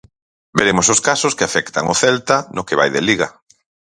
Veremos os casos que afectan o Celta no que vai de Liga.